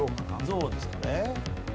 像ですかね？